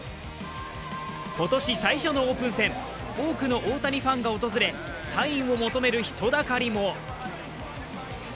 今年最初のオープン戦、多くの大谷ファンが訪れ、サインを求める人だかりも。